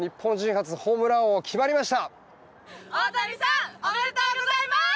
初ホームラン王決まりました。